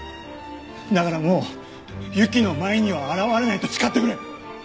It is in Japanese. だからもう由季の前には現れないと誓ってくれ。